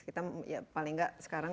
kita paling enggak sekarang